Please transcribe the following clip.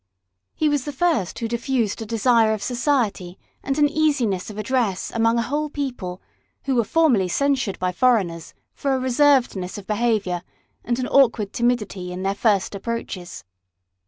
He was the first who diffused a desire of society and an easiness of address among a whole people, who were formerly censured by foreigners for a reservedness of behaviour and an awkward timidity in their first approaches.